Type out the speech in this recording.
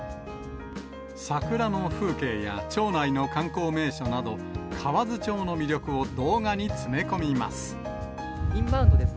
桜の風景や町内の観光名所など、河津町の魅力を動画に詰め込みます。